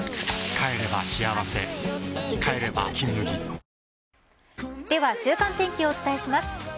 帰れば「金麦」では、週間天気をお伝えします。